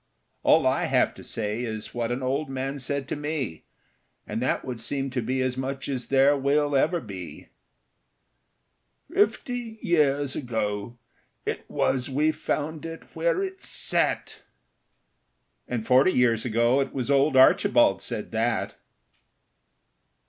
All I have to say is what an old man said to me, And that would seem to be as much as there will ever be. "Fifty years ago it was we found it where it sat." And forty years ago it was old Archibald said that.